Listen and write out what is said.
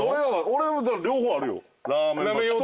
俺も両方あるよ。